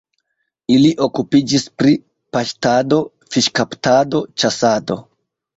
Ili okupiĝis pri paŝtado, fiŝkaptado, ĉasado.